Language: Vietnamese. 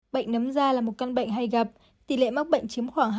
bệnh nấm da là một căn bệnh hay gặp tỷ lệ mắc bệnh chiếm khoảng hai mươi bảy ba